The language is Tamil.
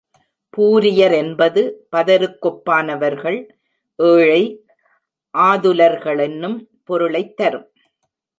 பூரியரென்பது பதருக்கொப்பானவர்கள், ஏழை, ஆதுலர்களென்னும் பொருளைத்தரும்.